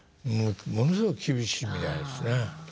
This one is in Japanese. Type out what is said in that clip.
ものすごい厳しいみたいですね。